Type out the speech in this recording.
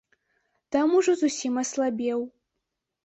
Там ужо зусім аслабеў.